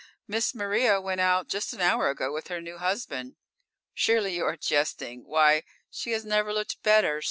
Miss Maria went out just an hour ago with her new husband. Surely you are jesting. Why she has never looked better.